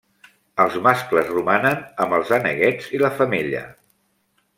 Els mascles romanen amb els aneguets i la femella.